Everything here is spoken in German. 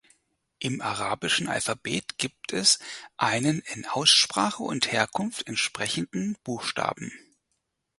Im arabischen Alphabet gibt es einen in Aussprache und Herkunft entsprechenden Buchstaben.